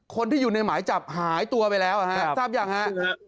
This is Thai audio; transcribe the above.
คนที่อยู่ในหมายจับหายตัวไปแล้วฮะทราบยังฮะ